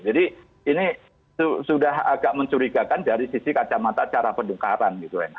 jadi ini sudah agak mencurigakan dari sisi kacamata cara pendukaran gitu